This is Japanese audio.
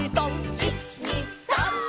「１２３」